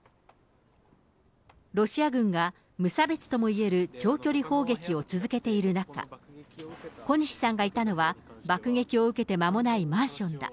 ロシア軍が無差別ともいえる長距離砲撃を続けている中、小西さんがいたのは、爆撃を受けて間もないマンションだ。